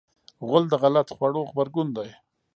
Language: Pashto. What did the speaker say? غول د غلط خوړو غبرګون دی.